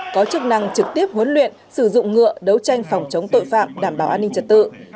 có chức năng trực tiếp huấn luyện sử dụng ngựa đấu tranh phòng chống tội phạm đảm bảo an ninh trật tự